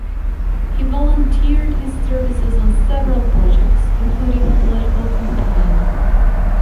He volunteered his services on several projects, including a political campaign.